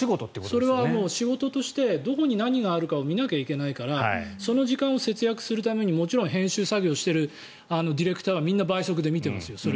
それはもう仕事としてどこに何があるか見なきゃいけないからその時間を節約するためにもちろん編集作業をしているディレクターはみんな倍速で見てますよ。